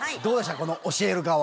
この教える側は。